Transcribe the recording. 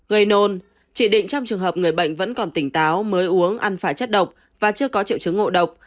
gây nôn chỉ định trong trường hợp người bệnh vẫn còn tỉnh táo mới uống ăn phải chất độc và chưa có triệu chứng ngộ độc